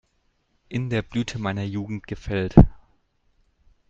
In der Blüte meiner Jugend gefällt.